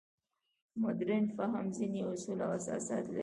مډرن فهم ځینې اصول او اساسات لري.